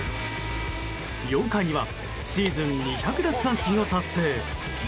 ４回にはシーズン２００奪三振を達成。